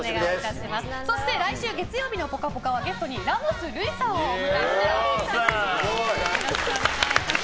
そして来週月曜日の「ぽかぽか」はゲストにラモス瑠偉さんをお迎えしてお送りします。